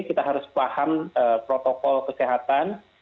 kita harus paham protokol kesehatan